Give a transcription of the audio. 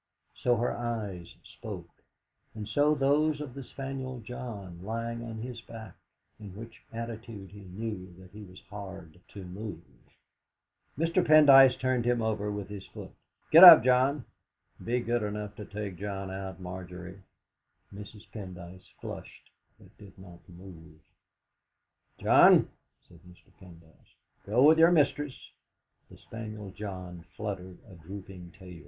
So her eyes spoke, and so those of the spaniel John, lying on his back, in which attitude he knew that he was hard to move. Mr. Pendyce turned him over with his foot. "Get up, John! Be good enough to take John out, Margery." Mrs. Pendyce flushed, but did not move. "John," said Mr. Pendyce, "go with your mistress." The spaniel John fluttered a drooping tail.